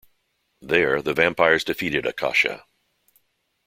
There, the vampires defeated Akasha.